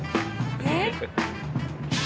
えっ！？